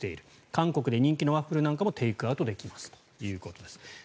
韓国で人気のワッフルなんかもテイクアウトできますということです。